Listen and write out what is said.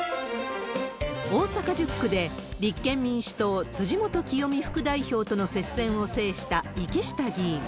大阪１０区で立憲民主党、辻元清美副代表との接戦を制した池下議員。